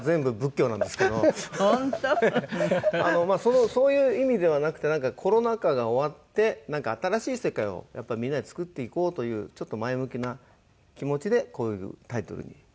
まあそういう意味ではなくてコロナ禍が終わってなんか新しい世界をやっぱりみんなで創っていこうというちょっと前向きな気持ちでこういうタイトルに。